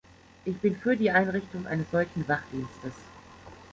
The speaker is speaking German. Ich bin für die Einrichtung eines solchen Wachdienstes.